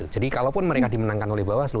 jadi kalaupun mereka dimenangkan oleh bawah selu